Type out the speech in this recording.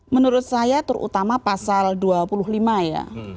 menurut saya terutama pasal dua puluh lima ya